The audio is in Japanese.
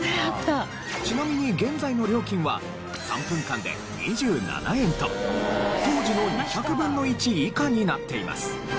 ちなみに現在の料金は３分間で２７円と当時の２００分の１以下になっています。